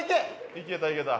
いけたいけた。